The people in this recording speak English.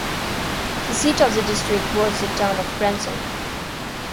The seat of the district was the town of Grandson.